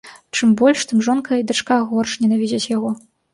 Чым больш, тым жонка і дачка горш ненавідзяць яго.